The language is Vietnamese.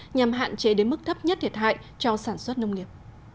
nhằm hạn chế đến mức thấp nhất thiệt hại cho sản xuất nông nghiệp